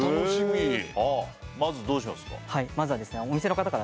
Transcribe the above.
まずどうしますか？